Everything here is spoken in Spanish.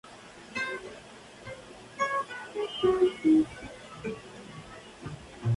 Más adelante, la familia Ingalls adopta más niños.